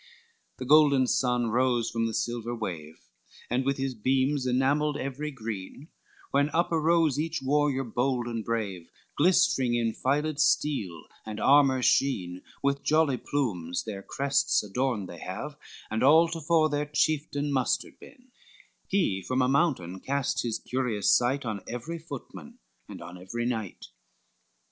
XXXV The golden sun rose from the silver wave, And with his beams enamelled every green, When up arose each warrior bold and brave, Glistering in filed steel and armor sheen, With jolly plumes their crests adorned they have, And all tofore their chieftain mustered been: He from a mountain cast his curious sight On every footman and on every knight.